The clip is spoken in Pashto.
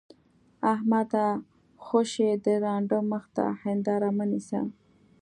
احمده! خوشې د ړانده مخ ته هېنداره مه نيسه.